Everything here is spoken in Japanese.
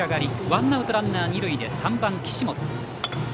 ワンアウトランナー、二塁で３番、岸本。